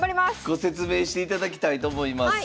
ご説明していただきたいと思います。